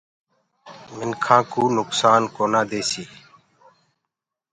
منکآ ڪوُ نُڪسآن ڪونآ دي۔